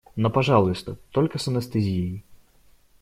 Но, пожалуйста, только с анестезией.